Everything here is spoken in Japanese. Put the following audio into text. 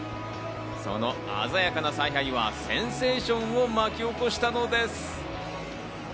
その鮮やかな采配はセンセーションを巻き起こしたのです。